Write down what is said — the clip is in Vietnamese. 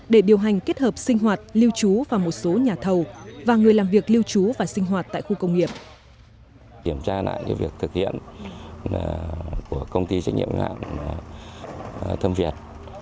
để điều hành kết hợp sinh hoạt lưu trú và một số nhà thầu và người làm việc lưu trú và sinh hoạt tại khu công nghiệp